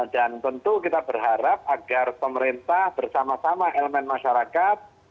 dan tentu kita berharap agar pemerintah bersama sama elemen masyarakat